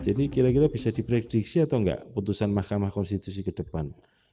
kira kira bisa diprediksi atau enggak putusan mahkamah konstitusi ke depan